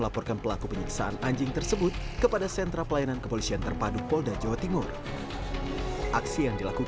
pelaku penyiksaan seekor anjing